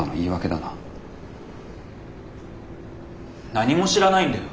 何も知らないんだよ。